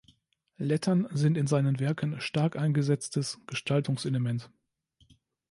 Lettern sind in seinen Werken stark eingesetztes Gestaltungselement.